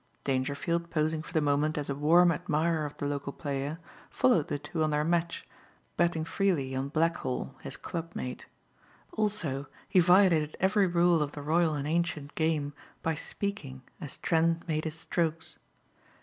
Dangerfield posing for the moment as a warm admirer of the local player, followed the two on their match, betting freely on Blackhall, his clubmate. Also, he violated every rule of the royal and ancient game by speaking as Trent made his strokes.